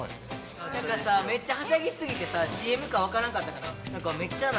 めっちゃはしゃぎ過ぎてさ、ＣＭか分からんかったんかな？